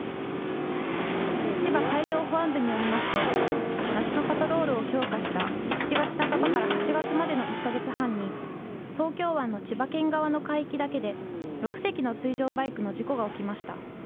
千葉海上保安部によりますと夏のパトロールを強化した７月半ばから８月までの１か月半に東京湾の千葉県側の海域だけで６隻の水上バイクの事故が起きました。